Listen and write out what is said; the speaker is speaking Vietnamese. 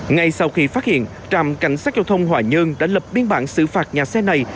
ngay sau khi phát hiện trạm cảnh sát giao thông hòa nhơn đã lập biên bản xử phạt nhà xe này